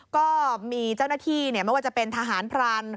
ก็มีเจ้าหน้าที่ไม่ว่าจะเป็นทหารพราน